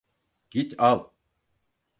Git al…